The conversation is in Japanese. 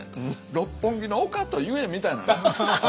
「六本木の丘」と言えみたいな。